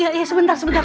ya iya sebentar sebentar